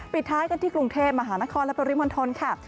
ปิดท้ายกันที่กรุงเทพมหานครและปริมณฑลค่ะ